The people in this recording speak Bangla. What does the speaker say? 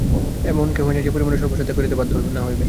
এমন কেহই নাই, যে পরিণামে সর্বস্ব ত্যাগ করিতে বাধ্য না হইবে।